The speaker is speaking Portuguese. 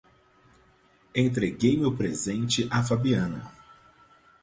Entreguei meu presente à Fabiana